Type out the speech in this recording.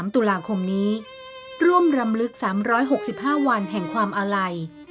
๓ตุลาคมนี้ร่วมรำลึก๓๖๕วันแห่งความอาลัย